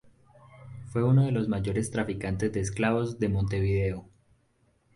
Fue uno de los mayores traficantes de esclavos de Montevideo.